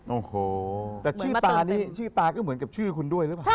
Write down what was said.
โอ้โหแต่ชื่อตานี่ชื่อตาก็เหมือนกับชื่อคุณด้วยหรือเปล่า